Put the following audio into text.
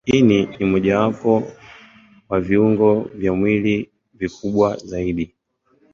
Ini ni mojawapo wa viungo vya mwili vikubwa zaidi.